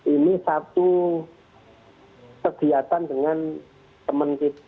ini satu kegiatan dengan teman teman yang